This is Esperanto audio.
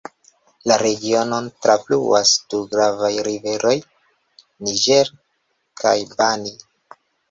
La regionon trafluas du gravaj riveroj: Niger kaj Bani.